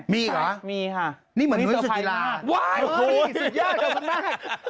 มีเหรอมีค่ะนี่เหมือนหนุนศัตรูภายละว้ายโฮสุดยอดเกิดมาก